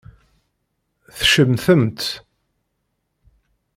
Tcemtemt.